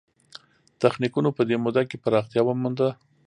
تخنیکونو په دې موده کې پراختیا ومونده.